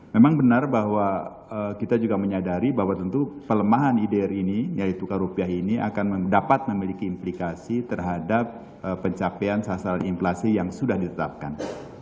memang benar bahwa kita juga menyadari bahwa tentu pelemahan ider ini yaitu tukar rupiah ini akan dapat memiliki implikasi terhadap pencapaian sasaran inflasi yang sudah ditetapkan